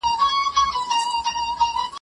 هیڅوک باید د نظر له امله محروم نه سي.